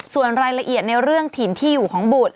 ส่วนรายละเอียดในเรื่องถิ่นที่อยู่ของบุตร